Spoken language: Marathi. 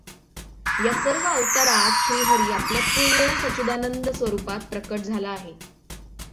या सर्व अवतारांत श्री हरी आपल्या पूर्ण सच्चिदानंद स्वरुपांत प्रकट झाला आहे.